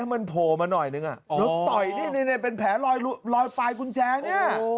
น้ำมันโผล่มาหน่อยนึงอ่ะต่อยเป็นแผลลอยปลายกุญแจเนี่ย